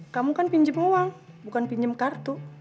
kamu kan pinjem uang bukan pinjem kartu